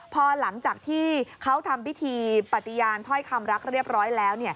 พอหลังจากที่เขาทำพิธีปฏิญาณถ้อยคำรักเรียบร้อยแล้ว